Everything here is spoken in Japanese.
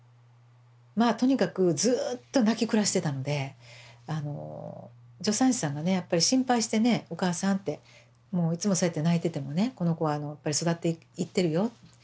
まあとにかくずっと泣き暮らしてたので助産師さんがねやっぱり心配してね「お母さん」って「もういつもそうやって泣いててもねこの子は育っていってるよ」。